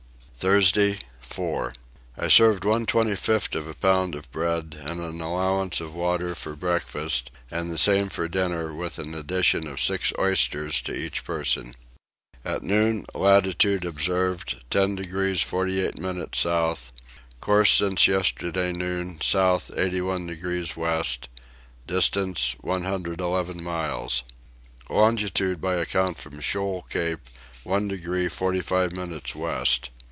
Thursday 4. I served one 25th of a pound of bread and an allowance of water for breakfast and the same for dinner with an addition of six oysters to each person. At noon latitude observed 10 degrees 48 minutes south; course since yesterday noon south 81 degrees west, distance 111 miles; longitude by account from Shoal Cape 1 degree 45 minutes west.